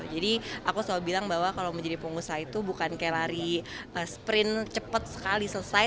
jadi aku selalu bilang bahwa kalau menjadi pengusaha itu bukan kayak lari sprint cepet sekali selesai